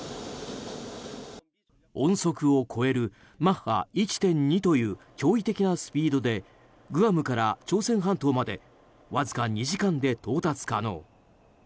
音速を超えるマッハ１．２という驚異的なスピードでグアムから朝鮮半島までわずか２時間で到達可能。